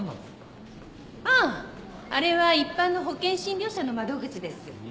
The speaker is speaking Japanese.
あああれは一般の保険診療者の窓口です。